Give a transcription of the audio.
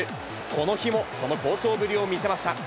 この日もその好調ぶりを見せました。